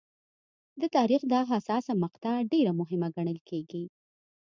د تاریخ دا حساسه مقطعه ډېره مهمه ګڼل کېږي.